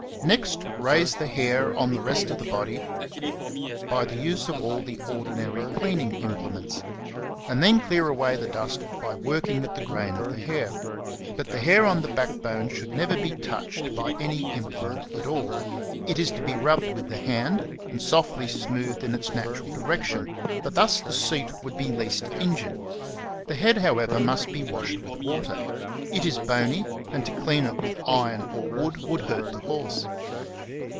Next raise the hair on the rest of the body by the use of all the ordinary cleaning implements,^^ and then clear away the dust by working with the grain of the hair; but the hair on the backbone should never be touched by ^2 XENOrHON ON HORSEMANSHIP. any implement at all. It is to be rubbed with the hand, and softly smoothed in its natural direction ; for thus the seat would be least injured. The head, however, must be washed with water; ^ it is bony, and to clean it with iron or wood would hurt the horse.